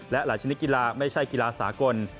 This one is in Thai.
และหลายชนิดกีฬาไม่ใช่กีฬาสากล